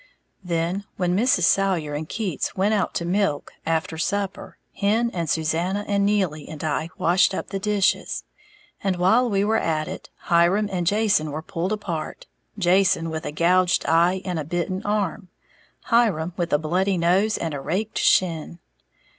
Then, while Mrs. Salyer and Keats went out to milk after supper, Hen and Susanna and Neely and I washed up the dishes; and while we were at it, Hiram and Jason were pulled apart, Jason with a gouged eye and a bitten arm, Hiram with a bloody nose and a raked shin.